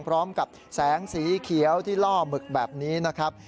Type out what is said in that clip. พร้อมกับแสงสีเขียวที่ล่อหมึกแบบนี้นะครับ